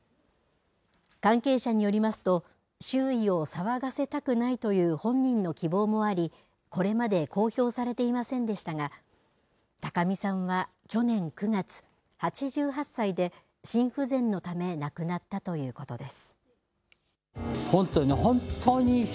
関係者によりますと、周囲を騒がせたくないという本人の希望もあり、これまで公表されていませんでしたが、高見さんは去年９月、８８歳で心不全のため亡くなったということです。